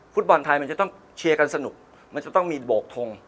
ฟุตบอลไทยมันจะต้องเชียร์กันสนุกมันจะต้องมีโบกทง